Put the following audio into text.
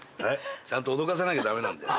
ちゃんと脅かさなきゃ駄目なんだよ